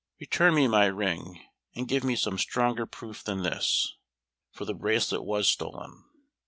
"Return me my ring, and give me some stronger proof than this, for the bracelet was stolen."